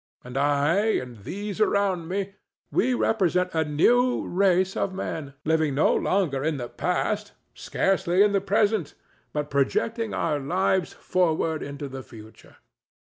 And I and these around me—we represent a new race of men, living no longer in the past, scarcely in the present, but projecting our lives forward into the future.